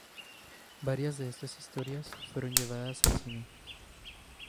Varias de estas historias fueron llevadas al cine.